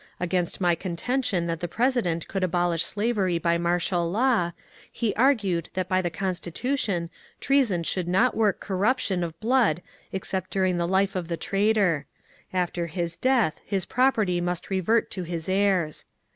Against my contention that the President could abolish slavery by martial law, he argued that by the Constitution treason should not work corruption of blood ex cept during the life of the traitor ; after his death his property must revert to his heirs.